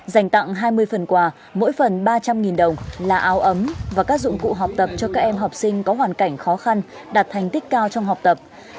dành tặng hai mươi phần quà mỗi phần ba trăm linh đồng là áo ấm và các dụng cụ học tập cho các em học sinh có hoàn cảnh khó khăn đạt thành tích cao trong học tập